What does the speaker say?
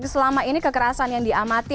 selama ini kekerasan yang diamati